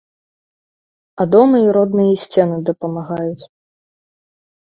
А дома і родныя сцены дапамагаюць!